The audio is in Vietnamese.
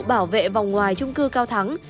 bảo vệ vòng ngoài trung cư cao thắng